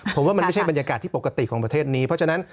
ผมว่ามันไม่ใช่บรรยากาศที่ปกติของประเทศนี้เพราะฉะนั้น